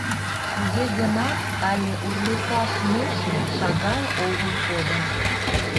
Туге гынат але урлыкаш нӧшмӧ шагал огыл кодын.